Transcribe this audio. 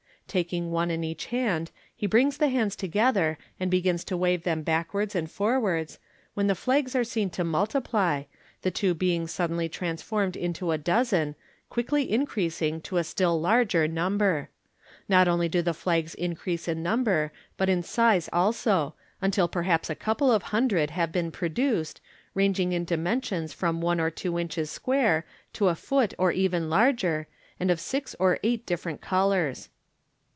Taking one in each hand, he brings the hands together, and begins to wave them backwards and forwards, when the flags are seen to mul tiply, the two being suddenly transformed into a dozen, quickly increasing to a still larger number. Not only do the flags increase in number, but in size also, until perhaps a couple of hundred have been produced, ranging in dimensions from one or two inches square to a foot or even larger, and of six or eight different colours.